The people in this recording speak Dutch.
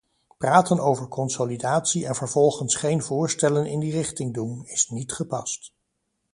Praten over consolidatie en vervolgens geen voorstellen in die richting doen, is niet gepast.